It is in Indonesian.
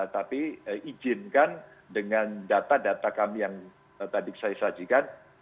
tapi izinkan dengan data data kami yang tadi saya sajikan